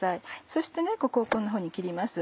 そしてここをこんなふうに切ります。